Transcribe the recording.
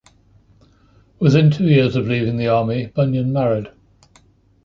Within two years of leaving the army, Bunyan married.